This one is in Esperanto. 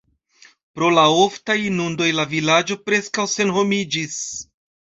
Pro la oftaj inundoj la vilaĝo preskaŭ senhomiĝis.